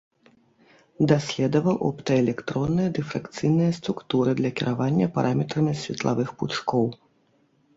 Даследаваў оптаэлектронныя дыфракцыйныя структуры для кіравання параметрамі светлавых пучкоў.